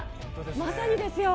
まさにですよ。